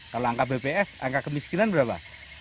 kalau angka bps angka kemiskinan berapa